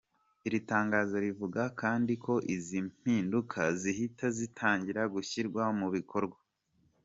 Iri tangazo rivuga kandi ko izi mpinduka zihita zitangira gushyirwa mu bikorwa.